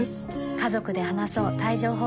家族で話そう帯状疱疹